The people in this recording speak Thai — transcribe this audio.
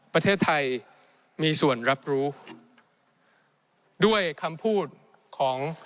ประเทศไทยมีส่วนรับรู้ด้วยคำพูดของ